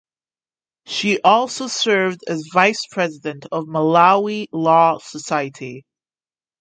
She also served as vice president of Malawi Law Society.